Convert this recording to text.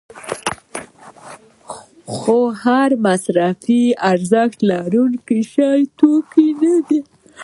خو هر مصرفي ارزښت لرونکی شی توکی نه دی.